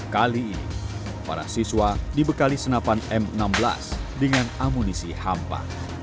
kali ini para siswa dibekali senapan m enam belas dengan amunisi hampa